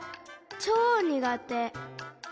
ちょうにがて。